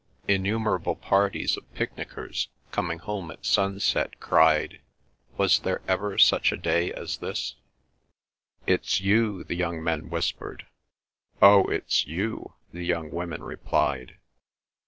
Innumerable parties of picnickers coming home at sunset cried, "Was there ever such a day as this?" "It's you," the young men whispered; "Oh, it's you," the young women replied.